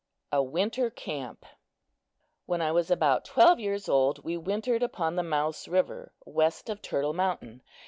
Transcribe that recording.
A Winter Camp WHEN I was about twelve years old we wintered upon the Mouse river, west of Turtle mountain.